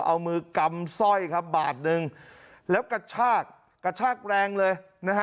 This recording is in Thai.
เอามือกำสร้อยบาทนึงแล้วกระชากแรงเลย